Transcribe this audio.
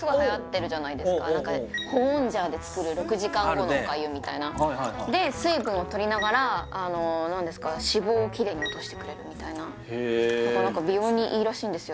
保温ジャーで作る６時間後のお粥みたいなで水分をとりながら脂肪をキレイに落としてくれるみたいな美容にいいらしいんですよ